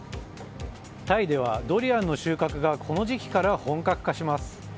タイではドリアンの収穫がこの時期から本格化します。